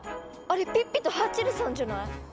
あれピッピとハッチェルさんじゃない？